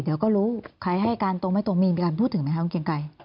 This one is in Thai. เดี๋ยวก็รู้ใครให้การตรงไม่ตรงมีมีการพูดถึงไหมคะคุณเกียงไกร